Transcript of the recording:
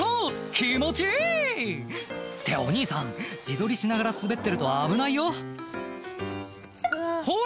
気持ちいい！」ってお兄さん自撮りしながら滑ってると危ないよほら